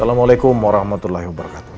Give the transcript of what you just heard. assalamu'alaikum warahmatullahi wabarakatuh